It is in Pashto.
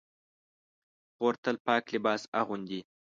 خور تل پاک لباس اغوندي.